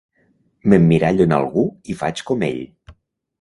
M'emmirallo en algú i faig com ell.